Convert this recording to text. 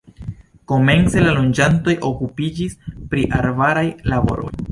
Komence la loĝantoj okupiĝis pri arbaraj laboroj.